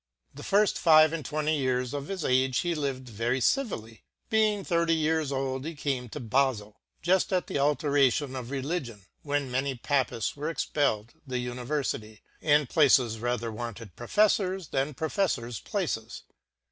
The firft five and twenty years of his age he lived very ci villy j being thirty years old he came to Bafiljuft at the alter ation of Rehgion, when many Papifts wereexpell'd the Uni verfity,& places rather wanted Profeffours, then ProiefTours places.